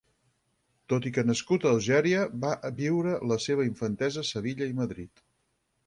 Tot i que nascut a Algèria, va viure la seva infantesa a Sevilla i Madrid.